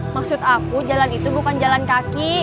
maksud aku jalan itu bukan jalan kaki